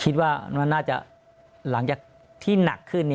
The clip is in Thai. คิดว่ามันน่าจะหลังจากที่หนักขึ้น